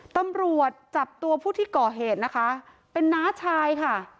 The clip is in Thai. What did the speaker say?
ตำรวจจับตัวผู้ที่ก่อเหตุนะคะเป็นน้าชายค่ะ